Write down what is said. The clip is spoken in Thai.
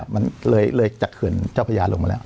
มันเลยจากเขื่อนเจ้าพระยาลงมาแล้ว